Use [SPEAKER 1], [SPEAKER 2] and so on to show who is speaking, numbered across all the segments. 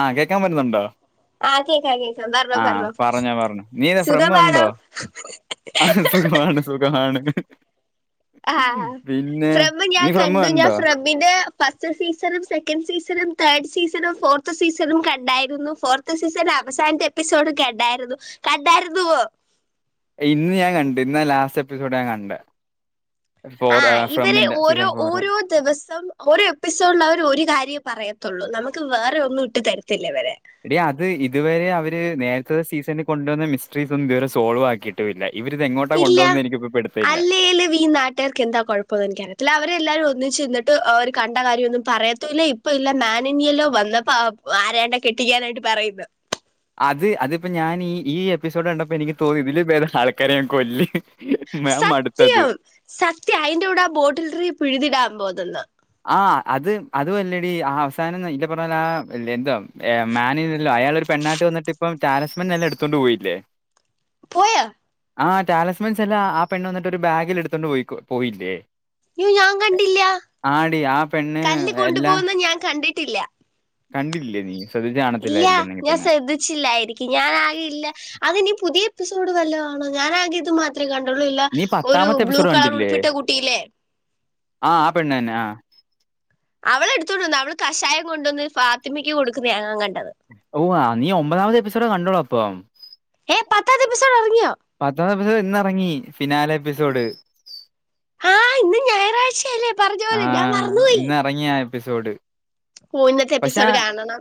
[SPEAKER 1] ആ കേക്കാൻ പറ്റ്ന്നുണ്ടോ
[SPEAKER 2] ആഹ് കേക്കാം കേക്കാം പറഞ്ഞോ
[SPEAKER 1] ആഹ് പറഞ്ഞോ പറഞ്ഞോ നീ ഫ്രം കണ്ടോ
[SPEAKER 2] സുഖമാണോ
[SPEAKER 1] സുഖമാണ് സുഖാണ്
[SPEAKER 2] ആഹ് ഫ്രം ഞാൻ
[SPEAKER 1] നീ ഫ്രം
[SPEAKER 2] കണ്ടു ഞാൻ
[SPEAKER 1] കണ്ടോ
[SPEAKER 2] ഫ്രമിന്റെ ഫസ്റ്റ് സീസണും സെക്കൻഡ് സീസണും തേർഡ് സീസണും ഫോർത്ത് സീസണും കണ്ടായിരുന്നു ഫോർത്ത് സീസൺ അവസാനത്തെ എപ്പിസോഡും കണ്ടായിരുന്നു കണ്ടായിരുന്നുവോ
[SPEAKER 1] ഇന്ന് ഞാൻ കണ്ടു ഇന്നാ ലാസ്റ്റ് എപ്പിസോഡ് ഞാൻ കണ്ടെ
[SPEAKER 2] ആഹ് ഇവര് ഓരോ ഓരോ ദിവസം ഓരോ എപ്പിസോഡിൽ അവര് ഒരു കാര്യം പറയത്തുള്ളൂ നമുക്ക് വേറെ ഒന്നും ഇട്ട് തരത്തില്ല ഇവര്
[SPEAKER 1] എടി അത് ഇതുവരെ അവര് നേരത്തത്തെ സീസണിൽ കൊണ്ടുവന്ന മിസ്റ്ററീസൊന്നും ഇതുവരെ സോൾവ് ആക്കിയിട്ടുമില്ല. ഇവരിത് എങ്ങോട്ടാ
[SPEAKER 2] ഇല്ല,
[SPEAKER 1] കൊണ്ടുപോകുന്നത് എനിക്കിപ്പോ പിടുത്തമില്ല
[SPEAKER 2] അല്ലേലുവീ നാട്ടുകാർക്കെന്താ കൊഴപ്പമന്നെനിക്കറിയത്തില്ല അവര് എല്ലരും ഒന്നിച്ചുനിന്നിട്ട് അവര് കണ്ട കാര്യം ഒന്നും പറയത്തുമില്ല ഇപ്പ ഇല്ല മാനനിയല്ലോ വന്നപ്പോ അ ദേണ്ടെ കെട്ടിക്കാനായിട്ട് പറയുന്നു
[SPEAKER 1] അത് അതിപ്പോ ഞാൻ ഈ ഈ എപ്പിസോഡ് കണ്ടപ്പോ എനിക്ക് തോന്നി ഇതില് ഭേദം ആൾക്കാരെ അങ്ങ് കൊല്ല് ഞാൻ മടുത്തത്
[SPEAKER 2] സത്യം സത്യം അയിന്റെ കൂടെ ആ ബോട്ടിൽട്രീ പിഴുതിടാൻ തോന്നുന്ന്
[SPEAKER 1] ആ അത് അതുമല്ലടി ആ അവസാനം [unintelligible] അയാളെരു പെണ്ണായിട്ട് വന്നിട്ടിപ്പം എല്ലാം എടുത്തോണ്ട് പോയില്ലേ
[SPEAKER 2] പോയോ
[SPEAKER 1] ആഹ് ട്ടാലസ്‌മെൻസെല്ലാം ആ പെണ്ണ് വന്നിട്ട് ഒരു ബാഗിൽ എടുത്തോണ്ട് പോയി പോയില്ലേ
[SPEAKER 2] അയ്യോ ഞാൻ കണ്ടില്ല
[SPEAKER 1] ആടി ആ പെണ്ണ്
[SPEAKER 2] കല്ല്
[SPEAKER 1] എല്ലാം
[SPEAKER 2] കൊണ്ടുപോകുന്ന ഞാൻ കണ്ടിട്ടില്ല.
[SPEAKER 1] കണ്ടില്ലേ നീ ശ്രദ്ധിച്ച്
[SPEAKER 2] ഇല്ല
[SPEAKER 1] കാണത്തില്ലായിരിക്കും എന്നെങ്കിൽ
[SPEAKER 2] ഞാൻ
[SPEAKER 1] പിന്നെ
[SPEAKER 2] ശ്രദ്ധിച്ചില്ലായിരിക്കും ഞാൻ ആകെ ഇല്ല അതിനി പുതിയ എപ്പിസോഡ് വല്ലോ ആണോ ഞാനാകെ ഇത് മാത്രമേ ക ണ്ടുള്ളു ഇല്ല
[SPEAKER 1] നീ
[SPEAKER 2] ഒരു
[SPEAKER 1] പത്താമത്തെ
[SPEAKER 2] ബ്ലൂ
[SPEAKER 1] എപ്പിസോഡ്
[SPEAKER 2] കളർ
[SPEAKER 1] കണ്ടില്ലേ
[SPEAKER 2] ഉടുപ്പിട്ട കുട്ടിയില്ലേ
[SPEAKER 1] ആ ആ പെണ്ണ് തന്നെ ആ
[SPEAKER 2] അവളെടുത്തോണ്ട് വന്ന് അവള് കഷായം കൊണ്ടുവന്ന് ഫാത്തിമയ്ക്ക് കൊടുക്കുന്നയാ ഞാൻ ക
[SPEAKER 1] ഓ ആഹ് നീ ഒമ്പതാമത്തെ എപ്പിസോഡെ കണ്ടുളൂ അപ്പൊ
[SPEAKER 2] ഏഹ് പത്താമത്തെ എപ്പിസോഡ് ഇറ
[SPEAKER 1] പത്താമത്തെ എപ്പിസോഡ് ഇന്നിറങ്ങി ഫിനാലെ എപ്പിസോഡ്
[SPEAKER 2] ആ ഇന്ന് ഞായറാഴ്ചയല്ലേ പറഞ്ഞ പോലെ ഞാൻ
[SPEAKER 1] ആഹ ഇന്ന് ഇറങ്ങിയാ എപ്പിസോഡ്
[SPEAKER 2] ഓഹ് ഇന്നത്തെ
[SPEAKER 1] പക്ഷെ
[SPEAKER 2] എപ്പിസോഡ് കാണണം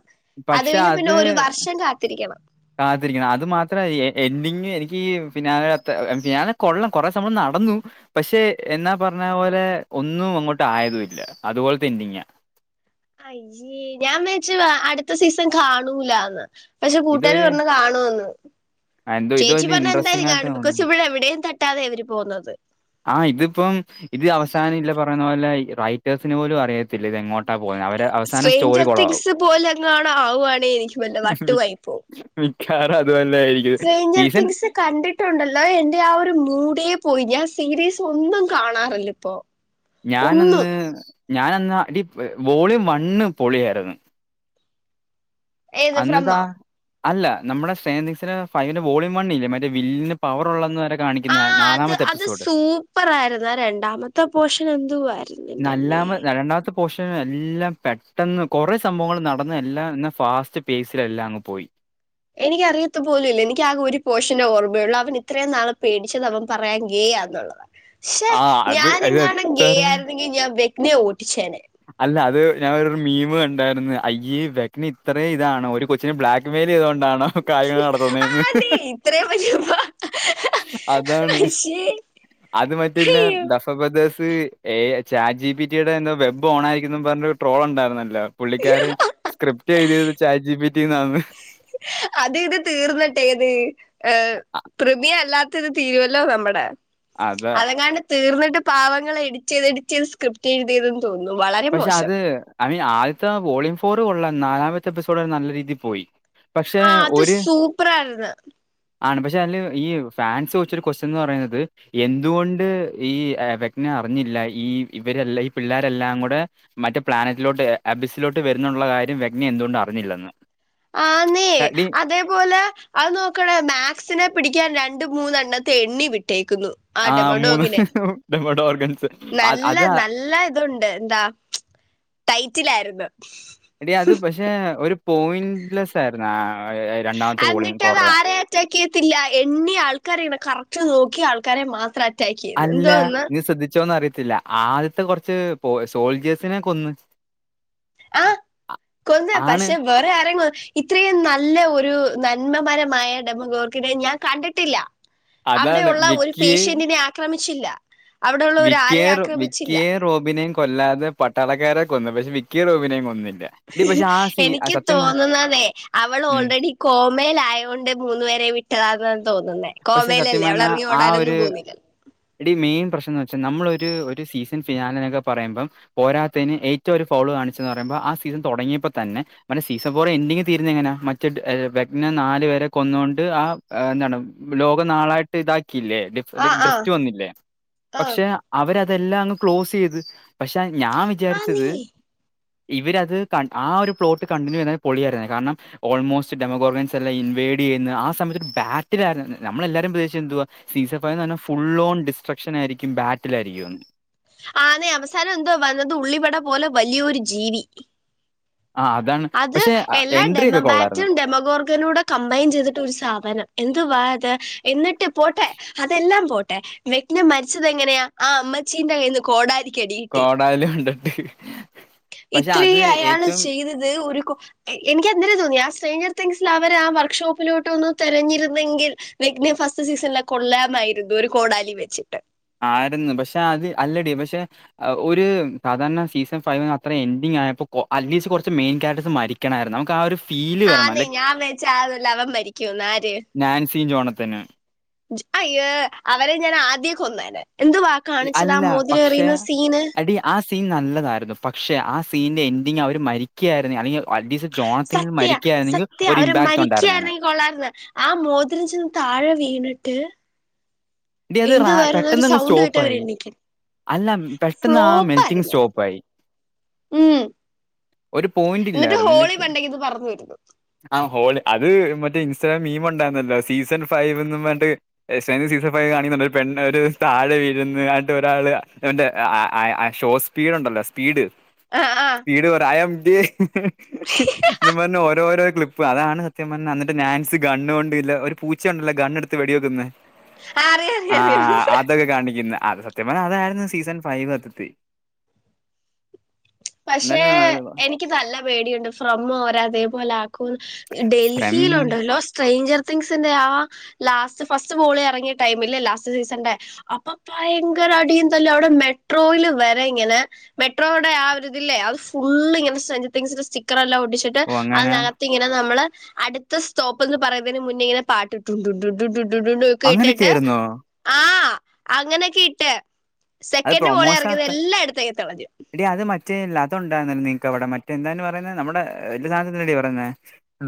[SPEAKER 2] അത് കഴിഞ്ഞ പിന്നെ ഒരു വർഷം കാത്തിരിക്കണം
[SPEAKER 1] കാത്തിരിക്കണം അത് മാത്ര എൻഡിങ് എനിക്ക് ഫിനാലെ അത്ര ഫിനാലെ കൊള്ളാം കൊറേ സംഭവം ന നടന്നു പക്ഷെ എന്നാ പറഞ്ഞ പോലെ ഒന്നും അങ്ങോട്ട് ആയതും ഇല്ല അതുപോലെത്തെ എൻഡിംഗാ. [inaudible]
[SPEAKER 2] അയ്യേ ഞാൻ മേച്ച അടുത്ത സീസൺ കാണൂലാന്ന്. പക്ഷെ കൂട്ടുകാര്
[SPEAKER 1] ഇതൊരു
[SPEAKER 2] പറഞ്ഞ് കാണുവെന്ന്.
[SPEAKER 1] ആ, എന്തോ ഇത്
[SPEAKER 2] ചേച്ചി
[SPEAKER 1] വലിയ
[SPEAKER 2] പറഞ്ഞ്
[SPEAKER 1] ഇൻട്രസ്റ്റിംഗ്
[SPEAKER 2] എന്തായാലും
[SPEAKER 1] ആയിട്ട്
[SPEAKER 2] കാണും ബിക്കോസ്
[SPEAKER 1] തോന്നുന്നു.
[SPEAKER 2] ഇവിടെ എവിടെയും തട്ടാതെ അവര് പോവുന്നത്.
[SPEAKER 1] ആ ഇതിപ്പം ഇത് അവസാനം ഇല്ല പറയുന്ന പോലെ റൈറ്റേഴ്സിന് പോലും അറിയത്തി ഇത് എങ്ങോട്ടാ പോകുന്നേന്ന് അവര് അവസാനം സ്റ്റോറി
[SPEAKER 2] സ്ട്രേഞ്ചർ
[SPEAKER 1] കൊളാവും.
[SPEAKER 2] തിങ്സ് പോലെ എങ്ങാണോ ആവുകയാണെങ്കിൽ എനിക്ക്
[SPEAKER 1] വിഖാര.
[SPEAKER 2] സ്ട്രെയിഞ്ചർ തിങ്ങ്സ് കണ്ടിട്ടുണ്ടല്ലോ എന്റെ ആ ഒരു മൂഡേ പോയി ഞാൻ. സീരീസ് ഒന്നും കാണാറില്ല ഇപ്പോ. ഒന്നും
[SPEAKER 1] ഞാനന്ന് ഞാനന്ന് അടി വോളിയം വണ്ണ് പൊളിയായിര്ന്ന്.
[SPEAKER 2] ഏത് ഫ്രമ്മ.
[SPEAKER 1] അല്ല നമ്മുടെ സ്ട്രെയിഞ്ചർ തിങ്ങ്സിലെ ഫൈവ്ന്റെ വോളിയം വണ്ണിേല്ല മറ്റേ വില്ലിന് പവർ ഉള്ളതന്ന് വരെ.
[SPEAKER 2] ആ
[SPEAKER 1] കാണിക്കുന്ന
[SPEAKER 2] അത്
[SPEAKER 1] നാലാമത്തെ
[SPEAKER 2] അത്
[SPEAKER 1] എപ്പിസോഡ്.
[SPEAKER 2] സൂപ്പർ ആയിര്ന്ന് രണ്ടാമത്തെ പോർഷൻ എന്തുവായി
[SPEAKER 1] നല്ലാമ രണ്ടാമത്ത. പോഷൻ എല്ലാം പെട്ടെന്ന് കുറെ സംഭവങ്ങൾ നടന്ന് എല്ലാം എന്ന ഫാസ്റ്റ് പേസില് എല്ലാം അങ്ങ് പോയി.
[SPEAKER 2] എനിക്കറിയത്ത് പോലും ഇല്ല എനിക്ക് ആകെ ഒരു പോഷനെ ഓർമ്മയുള്ളൂ അവൻ ഇത്രയും നാള് പേടിച്ചത് അവൻ പറയാ ശെ,
[SPEAKER 1] ആ അത് അത്
[SPEAKER 2] ഞാനെങ്ങാനും
[SPEAKER 1] എത്ര
[SPEAKER 2] ഗെയായിരുന്നെങ്കി ഞാൻ വെറ്റ്നയെ
[SPEAKER 1] അല്ല അത് ഞാൻ ഒരു മീമ് ക ണ്ടായിര്ന്ന് അയ്യേ വെറ്റ്ന ഇത്രയും ഇതാണോ ഒരു കൊച്ചിനെ ബ്ലാക്ക് മെയിൽ ചെയ്തോ ആണോ കാര്യങ്ങൾ
[SPEAKER 2] ആ
[SPEAKER 1] നടത്തുന്നെന്ന്.
[SPEAKER 2] നീ ഇത്രയും വലിയ
[SPEAKER 1] അതാണ്.
[SPEAKER 2] ശ്ശേ
[SPEAKER 1] അത് മറ്റയിലെ
[SPEAKER 2] അയ്യോ
[SPEAKER 1] ദഫബദസ് ഏ ചാറ്റ് ജി പി ടി യുടെ എന്തോ വെബ് ഓണായിക്ക് എന്നും പറഞ്ഞൊരു ട്രോൾ ഉണ്ടായിരുന്നല്ലോ പുള്ളിക്കാര് സ്ക്രിപ് [unintelligible] ചാറ്റ് ജി പി ടി ന്നാന്ന്.
[SPEAKER 2] അത് ഇത് തീർന്നിട്ട് ഏത് പ്രിമിയല്ലാ [unintelligible] തീരുവല്ലോ നമ്മടെ.
[SPEAKER 1] അതെ.
[SPEAKER 2] അതങ്ങാണ്ട് തീർന്നിട്ട് പാവങ്ങൾ എഡിറ്റ് ചെയ്ത് എഡിറ്റ് ചെയ്ത് സ്ക്രിപ്റ്റ് എഴുതിയ
[SPEAKER 1] പക്ഷെ അത് ഐ മീൻ ആദ്യത്തെ വോളിയം ഫോർ കൊള്ളാം നാലാമത്തെ എപ്പിസോഡ് വരെ നല്ല രീതിയിൽ പോയി. പക്ഷെ
[SPEAKER 2] ആഹ് അത്
[SPEAKER 1] ഒര്.
[SPEAKER 2] സൂപ്പറായിരുന്നു
[SPEAKER 1] ആണ് പക്ഷെ അതില് ഈ ഫാൻസ് വെച്ചൊരു ക്വസ്റ്റൻന്ന് പറയുന്നത് എന്തുകൊണ്ട് ഈ വെറ്റ്ന. പറഞ്ഞില്ല ഈ ഇവരെല്ല ഈ പിള്ളാരരെല്ലാം കൂ മറ്റേ പ്ലാനറ്റിലോട്ട് അബിസിലോട്ട് വരുന്നുള്ള കാര്യം വെറ്റ്ന എന്തുകൊണ്ട് അറിഞ്ഞില്ലെന്ന്.
[SPEAKER 2] ആ നീ അതേപോലെ അത് നോക്കണേ മാക്സിനെ പിടിക്കാൻ ര രണ്ട് മൂന്നെണ്ണത്തെ എണ്ണി വിട്ടേ [unintelligible] ആ ഡെമോഡോഗിനെ
[SPEAKER 1] ഡെമോഡ് ഓർഗൻസ്. അത്
[SPEAKER 2] നല്ല
[SPEAKER 1] അത് ആ-
[SPEAKER 2] നല്ല ഇതുണ്ട് എന്താ. ടൈറ്റിലായിരുന്നു.
[SPEAKER 1] പോയില്ല സാർ നാ.
[SPEAKER 2] എന്നിട്ട് അത് ആരേ അറ്റാക്ക് ചെയ്യത്തില്ല എണ്ണീ ആൾക്കാരെയാണ് കറക് റ്റ് നോക്കി ആൾക്കാരെ മാത്രം അ
[SPEAKER 1] അല്ല നീ ശ്രദ്ധിച്ചോന്ന് അറിയ ത്തില്ല ആദ്യത്തെ കൊറച്ച് പോ സോൾഡിയേസിനെ കൊന്ന്.
[SPEAKER 2] ആ
[SPEAKER 1] അ
[SPEAKER 2] കൊന്ന്
[SPEAKER 1] ആണ്.
[SPEAKER 2] പക്ഷെ വേറെ ആരെ ഇത്രയും നല്ല ഒരു നന്മമരമായ ഡെമോഗോർക്കിനെ ഞാൻ കണ്ടിട്ടില്ല.
[SPEAKER 1] അതാണ്.
[SPEAKER 2] അവിടെയുള്ള ഒരു
[SPEAKER 1] വിക്കിയെ
[SPEAKER 2] പേഷ്യന്റിനെ ആക്രമിച്ചില്ല. അവിടെയുള്ള ഒരു ആരെ
[SPEAKER 1] വിക്കിയെ
[SPEAKER 2] ആക്രമിച്ചില്ല
[SPEAKER 1] വിക്കിയെയും റോബിനെയും കൊല്ലാതെ പട്ടാളക്കാരെ കൊന്ന് പക്ഷേ വിക്കിയെ റോബിനെയും കൊന്നില്ല. എടീ പക്ഷേ ആ സീ ആ
[SPEAKER 2] എനിക്ക്
[SPEAKER 1] സത്യം പ
[SPEAKER 2] തോന്നുന്നതേ അവൾ ഓൾറെഡി കോമൽ ആയ കൊണ്ട് മൂന്നു പേരെ വിട്ടതാന്ന് തോന്നുന്നേ
[SPEAKER 1] പക്ഷേ സത്യം
[SPEAKER 2] കോമയിലല്ലേ അവള്
[SPEAKER 1] പറഞ്ഞാ
[SPEAKER 2] ഇറങ്ങി ഓടാനൊന്നും പോന്നില്ലല്ലോ.
[SPEAKER 1] പ്രശ്നംന്ന് വെച്ചാൽ നമ്മളൊരു സീസൺ ഫിനാലിനൊക്കെ പറയുമ്പം പോരാത്തതിന് ഏറ്റവും ഒരു ഫൗള് കാണിച്ചെന്ന് പറയുമ്പോൾ ആ സീസൺ തുടങ്ങിയപ്പോ തന്നെ മറ്റെ സീസൺ ഫോർ എൻഡിങ്ങിൽ തീരുന്നതങ്ങനാ മറ്റ് ഏ വേഗ്നെ നാല് വരെ കൊന്ന ണ്ട് ആ എന്താണ് ലോകം നാളായിട്ട് ഇതാക്കിയില്ലേ
[SPEAKER 2] ആ ആ
[SPEAKER 1] ഡ്രിഫ്റ്റ് വന്നില്ലേ
[SPEAKER 2] ആ
[SPEAKER 1] പക്ഷെ അവരത് അതെല്ലാം അങ്ങ് ക്ലോസ് ചെയ്ത് പക്ഷെ ഞാൻ
[SPEAKER 2] ആന്നേ
[SPEAKER 1] വിചാരിച്ചത് ഇവരത് ക ആ ഒരു പ്ലോട്ട് കണ്ടിന്യൂ ചെയ്യുന്ന പൊളിയായിരുന്നെനെ കാരണം ഓൾമോസ്റ്റ് ഡമോകോർഗനൻസ് എല്ലാം ഇൻവ പേഡ് ചെയ്യുന്ന ആ സമയത്ത് ഒരു ബാറ്റിലായിരുന്നു നമ്മളെല്ലാരും പ്രതീക്ഷിച്ചതെന്തുവാ സീസൺഫൈവ് എന്ന് പറഞ്ഞാൽ ഫുൾ ഓൺ ഡിസ്ട്രക്ഷൻ ആയിരിക്കും ബാറ്റിലായിരിക്കും
[SPEAKER 2] ആന്നെ അവസാനം എന്തുവാ വന്നത് ഉള്ളിവട പോലെ വലിയൊരു ജീവി
[SPEAKER 1] ആ അതാണ്
[SPEAKER 2] അത്
[SPEAKER 1] പക്ഷെ
[SPEAKER 2] എല്ലാ
[SPEAKER 1] എൻട്രി ഒക്കെ കൊള്ളായിരുന്നു
[SPEAKER 2] ഡെമബാറ്റും ഡെമഗോർഗനും കൂടെ കമ്പൈൻ ചെയ്തിട്ട ഒരു സാധനം എന്തുവാ എന്നിട്ട് പോട്ടെ അതെല്ലാം പോട്ടെ വജ്ഞം മരിച്ചത് എങ്ങനെയാ ആ അമ്മച്ചീന്റെ കയ്ന്ന് കോടാരി
[SPEAKER 1] കോടാലി കൊണ്ടിട്ട്
[SPEAKER 2] ഇത്രേം അയാള് ചെയ്തത് ഒരു കോ എനിക്ക് അന്നേരം തോന്നി ആ സ്ട്രേ തിങ്സിൽ അവര് ആ വർക്ക്ഷോപ്പിലോട്ടൊന്ന് തെരഞ്ഞിരുന്നെങ്കിൽ വെഗ്ന ഫസ്റ്റ് സീസണിലെ കൊള്ളാമായിരുന്നു ഒരു കോടാലി വെച്ചിട്ട്
[SPEAKER 1] ആരുന്നു പക്ഷെ അത് അല്ലടി പക്ഷെ ഒരു സാധാരണ സീസൺ ഫൈവിന് അത്ര എൻഡി ങ്ങായപ്പോ അറ്റ്ലീസ്റ്റ് കുറച്ച് മെയിൻ കേരക്ടർസ് മരിക്കണായിരുന്നു നമുക്ക് ആ ഒരു ഫീല് വരണം
[SPEAKER 2] ആന്നേ
[SPEAKER 1] ലൈക്
[SPEAKER 2] ഞാൻ വചാരില്ല അവൻ മരിക്കൂന്ന് ആര്
[SPEAKER 1] നാൻസിയും ജോണത്തനും
[SPEAKER 2] അയ്യോ അവരെ ഞാൻ ആദ്യേ കൊന്നേനെ എന്തുവാ കാണിച്ചത് ആ
[SPEAKER 1] അല്ല
[SPEAKER 2] മോതിരം
[SPEAKER 1] പക്ഷെ
[SPEAKER 2] എറിയുന്ന സീന്
[SPEAKER 1] അടി ആ സീൻ നല്ലതായിരുന്നു പക്ഷെ ആ സീന്റെ എൻഡിംഗ് അവര് മരിക്കായിരുന്നു അല്ലെങ്കി
[SPEAKER 2] സത്യ സത്യ അവര്
[SPEAKER 1] ഉണ്ടായിരുന്നേനെ.
[SPEAKER 2] മരിക്കായിരുന്നെങ്കിൽ കൊള്ളാരുന്നു ആ മോതിരം ചെന്ന് താഴെ വീണിട്ട് റ്റ്
[SPEAKER 1] ടീ അത് റാ പെട്ടെന്നങ്ങ്
[SPEAKER 2] കേട്ട് അവര്
[SPEAKER 1] സ്റ്റോപ്പായി
[SPEAKER 2] എണീക്കും
[SPEAKER 1] അല്ല പെട്ടെന്ന് ആ മെൽറ്റിങ്
[SPEAKER 2] ഫ്ലോപ്പായിരുന്നു
[SPEAKER 1] സ്റ്റോപ്പായി
[SPEAKER 2] ഉം
[SPEAKER 1] ഒരു പോയിന്റ്
[SPEAKER 2] എന്നിട്ട്
[SPEAKER 1] ഇല്ലായിരുന്നല്ലേ
[SPEAKER 2] ഹോളി പണ്ടേക്ക് ഇത് പറഞ്ഞു വരുന്നു
[SPEAKER 1] ആ ഹോളി അത് മറ്റേ ഇൻസ്റ്റഗ്രാം മീമ് ഉണ്ടായിരുന്നല്ലോ സീസൺ ഫൈവ്ന്ന് പറഞ്ഞിട്ട് സീസ കാണിക്കുന്നുണ്ട് ഒരു പെണ്ണ് ഒരു താഴെ വീഴുന്ന് ആട്ട് ഒരാൾ ഷോസ്പീഡ്ണ്ടല്ലോ സീപീഡ്
[SPEAKER 2] ആ ആ
[SPEAKER 1] സ്പീഡ് പറയാ ഐആം [unintelligible] ന്നും പറഞ്ഞ് ഓരോരോ ക്ലിപ്പ് അതാണ് സത്യം പറഞ്ഞാ ന്നട്ട് നാൻസ് കണ്ണുകൊണ്ട് ഇല്ല ഒരു പൂച്ചയുണ്ടല്ലോ ഗണ്ണ് എടുത്ത് വെടി വെക്കുന്നേ
[SPEAKER 2] അറിയാം
[SPEAKER 1] ആ
[SPEAKER 2] അറിയാം അറിയാം
[SPEAKER 1] അതൊക്കെ കാണിക്കുന്നേ അത് സത്യം പറഞ്ഞാ അതായിരുന്നു സീസൺ ഫൈവ് സത്യത്തി
[SPEAKER 2] പക്ഷെ
[SPEAKER 1] എന്നാലും അത്
[SPEAKER 2] എനിക്ക് നല്ല പേടിയുണ്ട് ഫ്രമോരെ അതേപോലെ ആക്കോന്ന് ഡൽഹി ഹിൽ
[SPEAKER 1] ഫ്രമ്
[SPEAKER 2] ഉണ്ടല്ലോ സ്ട്രെഞ്ചർ തിങ്ങ്സ്ന്റെ ആ ലാസ്റ്റ് ഫസ്റ്റ് ബോള് ഇറങ്ങിയ ടൈംല്ലേ ലാസ്റ്റ് സീസൺന്റെ അപ്പൊ ഭയങ്ക ര അടിയും തല്ലും അവിടെ മെട്രോൽ വരെ ഇങ്ങനെ മെട്രോടെ ആ ഒരു ഇല്ലേ അത് ഫുള്ള് ഇങ്ങനെ സെഞ്ചർ തിങ്സിന്റെ സ്റ്റിക്കർ എല്ലാം ഒട്ടിച്ചിട്ട്
[SPEAKER 1] ഓ അങ്ങനെ
[SPEAKER 2] അതിനകത്തിങ്ങനെ നമ്മള് അടുത്ത സ്റ്റോപ്പ് എന്ന് പറയുന്നതിന് മുന്നേ ഇങ്ങനെ പാട്ടിട്ടു ടു ടു ടു ടു ടു ഒക്കെ ഇട്ടിട്ട്
[SPEAKER 1] അങ്ങനെയൊക്കെയായിരുന്നോ
[SPEAKER 2] ആ അങ്ങനൊക്കെ ഇട്ട്
[SPEAKER 1] അത്
[SPEAKER 2] സെക്കൻഡ് പോളെ
[SPEAKER 1] പ്രൊമോഷൻ
[SPEAKER 2] ഇറങ്ങിയത് എല്ലായിടത്തേക്കും തെളഞ്ഞു
[SPEAKER 1] മറ്റേല്ല അതൊണ്ടായിരുന്നോ നിങ്ങക്ക് അവിടെ മറ്റേ എന്തായ്ന് പറയുന്ന നമ്മുടെ ന്ത് സാധനത്തിനാടി പറയുന്നേ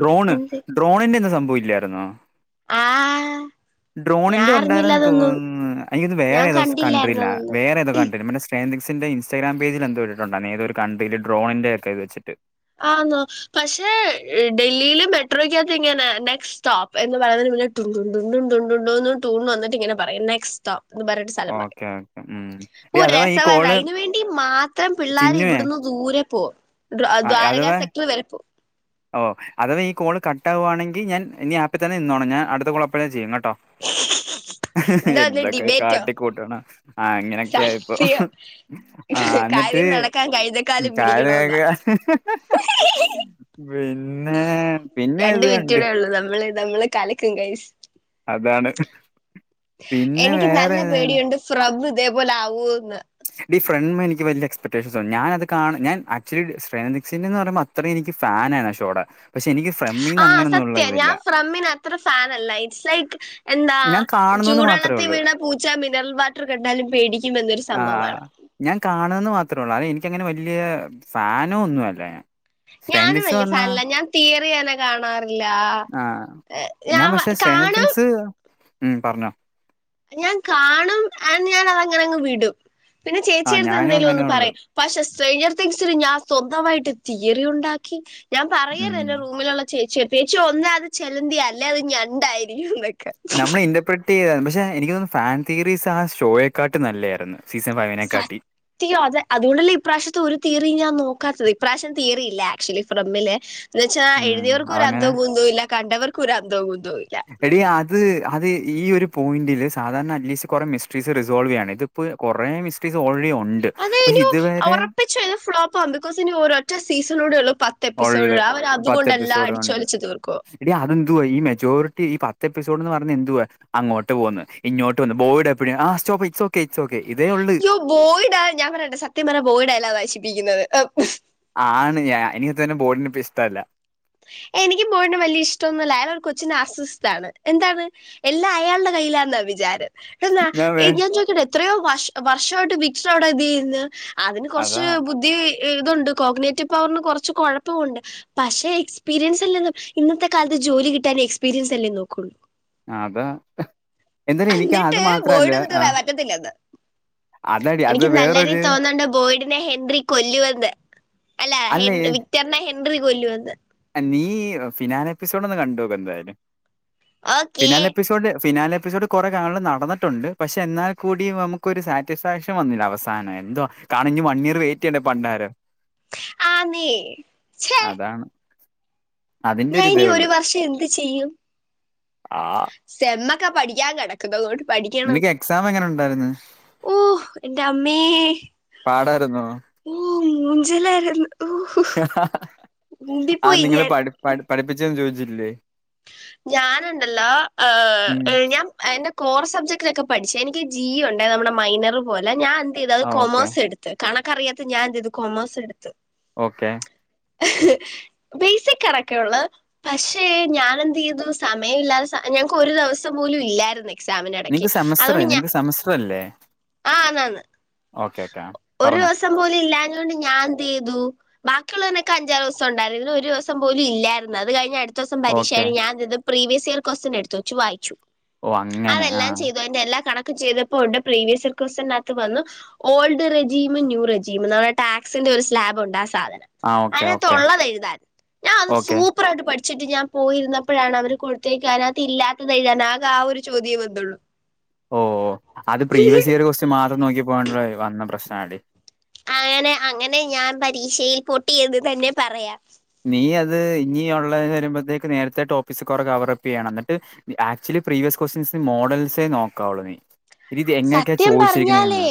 [SPEAKER 1] ഡ്രോണ്
[SPEAKER 2] എന്ത്
[SPEAKER 1] ഡ്രോണിന്റെ ഒന്നും സംഭവ ഇല്ലായിരുന്നോ?
[SPEAKER 2] ആഹ് ഞാൻ
[SPEAKER 1] ഡ്രോണിന്റെ
[SPEAKER 2] അറിഞ്ഞില്ല
[SPEAKER 1] ഉണ്ടായിര്ന്നന്ന്
[SPEAKER 2] അതൊന്നും
[SPEAKER 1] തോന്നുന്നു അത്
[SPEAKER 2] ഞാൻ
[SPEAKER 1] വേറെ ഏതോ
[SPEAKER 2] കണ്ടില്ലായിരുന്നു
[SPEAKER 1] കൺട്രില്ല
[SPEAKER 2] അതൊന്നും
[SPEAKER 1] വേറെ ഏതോ കൺട്രി ഫേൻസിക്സിന്റെ ഇൻസ്റ്റഗ്രാം പേജിൽ എന്തോ ഇട്ടിട്ടുണ്ടായിരുന്നു ഏതോ ഒരു കൺട്രിന്റെ ഡ്രോണിന്റെ ഒക്കെത് വെച്ചട്ട്
[SPEAKER 2] ആന്നോ പക്ഷെ ഡൽഹിയിലും മെട്രോയ്ക്കകത്ത് എങ്ങനെ നെക്സ്റ്റ് സ്റ്റോപ്പ്ന്ന് പറയ ട്ടുണ്ട്‌ ടുണ്ട് ഉണ്ടുണ്ടോ ട്യൂൺ വന്നിട്ടിങ്ങനെ പറയും നെക്സ്റ്റ് സ്റ്റോപ്പ്‌ എ പറഞ്ഞിട്ട് സ്ഥലം പറയും
[SPEAKER 1] ഓക്കെ ഓക്കെ ഉം
[SPEAKER 2] ഓ
[SPEAKER 1] ഡേ അഥവാ ഈ
[SPEAKER 2] രസവായിരുന്നു
[SPEAKER 1] കോള്
[SPEAKER 2] അതിന് വേണ്ടി മാത്രം പിള്ളേർ
[SPEAKER 1] ചിന്നുവേ
[SPEAKER 2] ഇവിടുന്ന് ദൂരെ പോ
[SPEAKER 1] ആ,
[SPEAKER 2] ദ്വാരകാ
[SPEAKER 1] അഥവാ
[SPEAKER 2] സക്റ്റർ വരെ പോ
[SPEAKER 1] ഓ അഥവാ ഈ കോള് കട്ടവുകവാണെങ്കി ഞാൻ ആപ്പിൽ തന്നെ നിന്നോണം ഞാൻ അടുത്ത കോള അപ്പോഴാചെയ്യുംട്ടോ ഹേ ഹേ
[SPEAKER 2] എന്താ അത്
[SPEAKER 1] എന്തൊക്കെ
[SPEAKER 2] ഡിബേറ്റോ
[SPEAKER 1] കാട്ടിക്കൂട്ട്ണ ആ ഇങ്ങനെക്കെ ഇപ്പൊ
[SPEAKER 2] സത്യം
[SPEAKER 1] ആ ന്നിട്ട്
[SPEAKER 2] കാര്യം നടക്കാൻ കൈതക്കാലും പിടിക്കണോന്നാ
[SPEAKER 1] [unintelligible] പിന്നെ പിന്നെ
[SPEAKER 2] രണ്ട്
[SPEAKER 1] ത് ണ്ട്
[SPEAKER 2] മിനിറ്റൂടെ ഉള്ളൂ നമ്മള് നമ്മള് കലക്കും കയ്സ്
[SPEAKER 1] അതാണ് പിന്നെ
[SPEAKER 2] എനിക്ക് നല്ല
[SPEAKER 1] വേറെ
[SPEAKER 2] പേടിയുണ്ട് ഫ്രം തേപോലെ ആവൂന്ന്
[SPEAKER 1] ഡി ഫ്രമ് എനിക്ക് വലിയ എക്സ്പെടേഷൻസ് ഞാനത് കാണും ഞാൻ ആക്ച്വലി്ഫാൻനിസിൻന്ന് പറയുമ്പോ അത്ര എനി കി ഫാനാ ആ ഷോട
[SPEAKER 2] ആ സത്യാ ഞാൻ ഫ്രമ്മിന് അത്ര ഫാൻ അല്ല ഇറ്സ് ലൈക്‌ എന്താ
[SPEAKER 1] ഞാൻ കാണുന്നുന്ന് മാത്രമേ
[SPEAKER 2] ചൂടള്ളത്തിൽ
[SPEAKER 1] ഉള്ളൂ
[SPEAKER 2] വീണ പൂച്ച മിനറൽ വാട്ടർ കണ്ടാലും പേടിക്കും എന്നൊരു സംഭവമാണ്
[SPEAKER 1] ഞാൻ കാണ അത്ര ഉള്ള അത് എനിക്കങ്ങനെ വല്ല്യ ഫാനോ ഒന്നും അല്ല ഞാൻ സ്ട്രെയിൻ
[SPEAKER 2] ഞാനും
[SPEAKER 1] തിങ്സ്
[SPEAKER 2] വലിയ
[SPEAKER 1] പറഞ്ഞാ
[SPEAKER 2] ഫാനല്ല ഞാൻ തീയറി നെ കാണാറില്ല
[SPEAKER 1] ആ
[SPEAKER 2] ഹേ ഞാൻ കാണും
[SPEAKER 1] ഉം പറഞ്ഞോ
[SPEAKER 2] ഞാൻ കാണം ആൻ് ഞാൻ അതങ്ങനങ്ങ് വിടും പിന്നെ
[SPEAKER 1] ആ
[SPEAKER 2] ചേച്ചിയെടുത്ത്
[SPEAKER 1] ഞാനും അങ്ങനെ
[SPEAKER 2] എന്തേങ്കിലോന്ന്
[SPEAKER 1] ഉള്ളു
[SPEAKER 2] പറയും പശസ് ചെയ്യറ്ത്തിങ്സിൽ ഞാൻ സ്വന്തമായിട്ട് തിയറി ഉണ്ടാക്കി ഞാൻ പറയറ് ന്റെ റൂമിലുള്ള ചേച്ചി ചേച്ചി ഒന്ന് അത് ചെലന്തി അല്ലേ അത് ഞണ്ടായിരിക്കും
[SPEAKER 1] നമ്മള് ഇന്റർപ്രിറ്റ്യ്യാ പക്ഷെ എനിക്ക് തോൻ ഫാൻ തിയറീസ് ആ ഷോയെക്കാട്ടും നല്ലേർന്നു
[SPEAKER 2] സത്യം അതെ അതുകൊണ്ടല്ലേ ഇപ്രാവശ്യത്തെ ഒരു തീറി ഞാൻ നോ [unintelligible] ഇപ്ര്രാശ്യം തയറില്ല ആക്ച്വലി ഫ്രെമ്മിലെ ന്ന് വെച്ചാ
[SPEAKER 1] ഉം
[SPEAKER 2] എഴതിയവർക്കും
[SPEAKER 1] അതങ്ങനെ
[SPEAKER 2] രന്തോ കുന്തോ ല്ല കണ്ടവർക്കൊര ന്തോ കു
[SPEAKER 1] ഏടിയെ അത് അത് ഈ ഒരു പോയിന്റിൽ സാധാരണ അറ്റ്ലീസ്റ്റ് കൊറെ മിസ്ട്രീസ് റിസോൾവ് ചെയ്യാണ് ഇതിപ്പ് കൊറെ മിസ്ട്രീസ് ഓൻലി
[SPEAKER 2] അതെ ഇന്യു ഒറപ്പിച് ഇത് ഫ്ളോപ്പാകും [unintelligible]
[SPEAKER 1] ഒള്ള് പത്ത്‌ എപ്പിസോഡ് മാണ്ട്
[SPEAKER 2] അടിച്ചൊലിച്ച് തീർക്കും
[SPEAKER 1] ഏടി അതെന്ത് വാ ഈ മെജോറിറ്റി ഈ പത്ത് എപ്പിസോ് ത്തോട് ന്ന് പറഞ്ഞാ എന്തുവാ അങ്ങോട്ട് പോക്ന്ന് ഇങ്ങോട്ട് വന്ന് ബോയിഡ് എപ്പയും ഇറ്റ്സൊപ്പിട് ഇറ്റ്സ് ഓക്കെ ഇറ്റ്സ് ഓക്കെ ഇതേ ഉള്ളു
[SPEAKER 2] യ്യോ ബോയിഡാ ഞാൻ പറട്ടെ സത്യം പറഞാ ബോയിടല്ലാ നാശിപ്പിക്ക്യന്നത്
[SPEAKER 1] ആ ആണ് എനിക്ക് തന്നെ ബോയിഡിന ഇപ്പ ഇഷ്ടല്ല
[SPEAKER 2] എനികും ബോയിടിനെ വലിയ ഇഷ്ടംന്നൊ ല്ല അയാർ കൊച്ചിന് ആസ്വസ്താണ് എന്താണ് എല്ലാ അയാളുടെ കയ്യിലാന്ന വിചാരം എന്നാ ഇ ഞാൻ ചോയ്ക്കട്ട എത്രയോ വർഷ വർഷായിട്ട് വിക്ഷ് അവിടെ ഇത് ചെയ്യ്ന്ന് അതിന് കൊറ്ച്ച്
[SPEAKER 1] അതാ
[SPEAKER 2] ബുദ്ധി ഇതുണ്ട് കോഗ്നേറ്റീവ്പ്പം കൊറ്ച്ച് കൊഴപ്പുണ്ട് പക്ഷെ പീര്യൻയസ് ല്ലന്ന് ഇന്നത്തെ കാലത്ത് ജോലി കിട്ടാ എക്പീരിയൻസല്ലേ നോക്കോള്ളൂ
[SPEAKER 1] അതാ എന്താല് എനിക്ക് അത്
[SPEAKER 2] എന്നിട്ട് ബോയിഡ്
[SPEAKER 1] മാത്രല്ല
[SPEAKER 2] വന്നിട്ട്
[SPEAKER 1] ആ
[SPEAKER 2] പറയാൻ പറ്റത്തില്ലെന്ന്
[SPEAKER 1] അ
[SPEAKER 2] എനിക്ക് നല്ല രീ തോന്ന്ണ്ട് ബോയിഡിനെ ഹെൻറി കൊല്ലു ന്ന് അല്ല ഹെ വിക്ടറിനെ ഹെൻറി കൊല്ലുന്ന്
[SPEAKER 1] നീ ഫിനാൻ എപ്പിസോഡ് ഒന്ന് കണ്ടോക്ക് എന്തായാലും
[SPEAKER 2] ഓക്കേ
[SPEAKER 1] ഫിനാല പ്പിസോഡ് ഫിനാല് പ്പിസോഡ് കൊറെ കാണല് നടന്ന്ട്ടുണ്ട് പക്ഷേ എന്നാൽ കൂടി നമുക്കൊരു സാറ്റിസ്ഫാക്ഷൻ വന്നില്ല അവസാനം എന്തോ കാണും ഇനി വണീയറ് വെയ് റ്റ് ചെയ്യണ്ട പണ്ടാരം
[SPEAKER 2] ആന്നേ ചെ
[SPEAKER 1] അതാണ് അതിന്റെ
[SPEAKER 2] ഞാൻ
[SPEAKER 1] ഇതേ
[SPEAKER 2] ഇനി ഒരു
[SPEAKER 1] ഉള്ളു
[SPEAKER 2] വർഷം എന്ത് ചെയ്യും
[SPEAKER 1] ആ
[SPEAKER 2] സെമ്മക്കെ പഠിക്കാൻ കെടക്കുന്നതൊ പഠിക്കണം
[SPEAKER 1] നിനക്ക് എക്സാം എങ്ങനെ ഉണ്ടായിരുന്നു
[SPEAKER 2] ഓ എന്റെ അമ്മേ
[SPEAKER 1] പാടാർന്നോ
[SPEAKER 2] ജിലാ രുന്നു
[SPEAKER 1] ആ നിങ്ങള്
[SPEAKER 2] ഞാൻ
[SPEAKER 1] പട് പട്‌ പഠിപ്പിച്ചേന്നും ചോദിച്ചില്ലേ
[SPEAKER 2] ഞാനുണ്ടല്ലോ
[SPEAKER 1] ഉം
[SPEAKER 2] ഞാൻ എന്റെ കോർ സബ്ജക്ടിലൊക്കെ പഠിച്ചേ എനി ജിയ ഉണ്ടേ നമ്മുടെ മൈനർ പോലെ ഞാൻ എന്ത് ചെയ്ത് അത്
[SPEAKER 1] ആ ഓക്കെ
[SPEAKER 2] കോമേഴ്‌സ് എടുത്ത് കണ ക്കറിയാത്ത ഞാൻ എന്ത് ചെയ്തു കോമേഴ്സ് എടുത്ത്
[SPEAKER 1] ഓക്കെ
[SPEAKER 2] ബേസിക് ഇടക്കെ ഒള്ള് പക്ഷേ ഞാൻ എന്ത്‌ചെയ്തു സമയമില്ലാത ഞങ്ങക്ക് ഒരു ദിവസം പോലും ഇല്ലായിരുന്നേ എക്സാമിനിടക്ക് ഇടക്ക്
[SPEAKER 1] നിനക്ക് സെമസ്റ്റർ
[SPEAKER 2] അതുകൊണ്ട് ഞ
[SPEAKER 1] നിനക്ക് സെമസ്റ്റർ അല്ലേ
[SPEAKER 2] ആ അനാന്ന്
[SPEAKER 1] ഓക്കെ ഓക്കെ
[SPEAKER 2] ഒരു
[SPEAKER 1] പറഞ്ഞോ
[SPEAKER 2] ദിവസം പോലും ഇല്ലാഞ്ഞോണ്ട് ഞാൻ എന്ത്‌ ചെയ്തു ബാക്കിയുള്ളതിനൊക്കെ അഞ്ചറ് ദിവസം ഉണ്ടായിരുന്നു ഇതിന് ഒരു ദിവസം പോലും ഇല്ലാരുന്നു അത് കഴിഞ്ഞ് അടുത്ത ദിവസം പരീക്ഷയ
[SPEAKER 1] ഓക്കെ
[SPEAKER 2] ഞാൻ എന്ത്ചെയ്തു പ്രീവിയസ് ഇയർ ക്വസ്റ്റൻ എടുത്തു വച്ചു വായിച്ചു
[SPEAKER 1] ഓ അങ്ങനെ ആ
[SPEAKER 2] അതെല്ലാം ചെയ്തു അതിന്റെ എല്ലാ കണ ചെയ്തപ്പോണ്ട് പ്രീവിയസ് ഇയർ വന്നു old regime new regime tax ഒരു സ്ലാബ് ഉണ്ട് ആ സാധനം
[SPEAKER 1] ആ ഓക്കെ ഓക്കെ
[SPEAKER 2] അതിനകത്തുള്ളത് എഴുതാൻ ഞാൻ അത്
[SPEAKER 1] ഓക്കെ
[SPEAKER 2] സൂപ്പർ ആയിട്ട് പഠിച്ചിട്ട് ഞാൻ പോയിരുന്നപ്പോഴാണ് അവർ കൊടുത്തേക്ക അതിനകത്ത് ഇല്ലാത്തത് എഴുതാൻ ആകെ ആ ഒരു ചോദ്യേ വന്നുള്ളൂ
[SPEAKER 1] ഓ ഓ അത് പ്രീവിയസ് ഇയർ കോസ്റ്റിയൻ മാത്രം നോക്കി പോകൻ വന്ന പ്രശ്ന ഇത്
[SPEAKER 2] അങ്ങനെ അങ്ങനെ ഞാൻ പരീക്ഷയിൽ പൊട്ടിയെന്ന് തന്നെ പറയാം
[SPEAKER 1] നീ അത് ഇനിയുള്ള വരുമ്പോഴത്തേക്ക് നേരത്തെ ടോപ്പിക്സ് കുറെ കവർപ്പ് ചെയ്യണം എന്നിട്ട് ആക്ച്വലി പ്രീവിയസ് കോസ്റ്റിയൻസ് മോഡൽസ് നോക്കോളൂ നീ ഇത് ഇത് എങ്ങനെയൊക്കെയാ
[SPEAKER 2] സത്യം
[SPEAKER 1] ചോദിച്ചിരിക്കുന്നതെന്ന്
[SPEAKER 2] പറഞ്ഞാലേ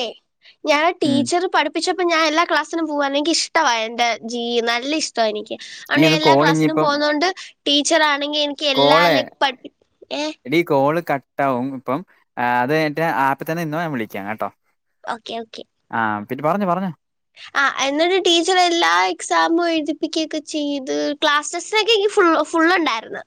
[SPEAKER 2] ഞാൻ
[SPEAKER 1] ഉം
[SPEAKER 2] ടീച്ചർ പഠിപ്പിച്ചപ്പോ ഞാൻ എല്ലാ ക്ലാസ്സിലും പോവാന എനിക്ക് ഇഷ്ട എന്റെ ജീ നല്ല ഇഷ്ടമാ എനിക്ക്
[SPEAKER 1] നീ
[SPEAKER 2] അതോണ്ട് ഞാൻ
[SPEAKER 1] ഒന്ന്
[SPEAKER 2] എല്ലാ
[SPEAKER 1] കോൾ
[SPEAKER 2] ക്ലാസ്സിലും
[SPEAKER 1] ഇനിയിപ്പം
[SPEAKER 2] പോന്നൊണ്ട് ടീച്ചറാ ല്ലങ്കി എനിക്ക് എല്ലാ
[SPEAKER 1] കോള്
[SPEAKER 2] ലൈക്ക് പ ഏയ്
[SPEAKER 1] ട്ടാവും ഇപ്പം അത് കഴിഞ്ഞിട്ട് ആപ്പിൽ തന്നെ ഇന്നോ ഞാൻ വിളിക്ക കേട്ടോ
[SPEAKER 2] ഓക്കെ ഓക്കെ
[SPEAKER 1] [unintelligible] പറഞ്ഞോ പറഞ്ഞോ
[SPEAKER 2] ആ എന്നിട്ട് ടീച്ചർ എല്ലാ എക്സാമും എഴുതിപ്പിക്കേക്ക ചെയ്ത് ക്ലാസസൊക്കെ ഈ ഫുള്ള് ഫുള്ള് ഉണ്ടായിരുന്നു